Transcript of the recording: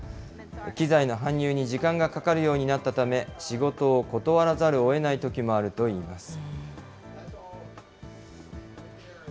機材の搬入に時間がかかるようになったため、仕事を断らざるをえないときもあるといいます。